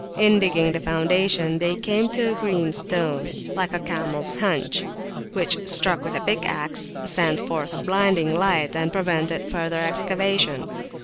In digging the foundation they came to a green stone, like a camels hunch, which, struck with a pickaxe, sent forth blinding lightning, and prevented further excavation.